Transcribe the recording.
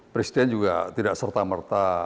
presiden juga tidak serta merta